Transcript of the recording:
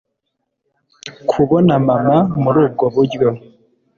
kubona mama muri ubwo buryo